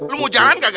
lu mau jalan gak